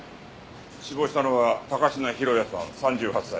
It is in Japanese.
死亡したのは高階浩也さん３８歳。